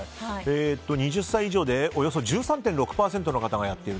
２０歳以上でおよそ１３．６％の人がやっている。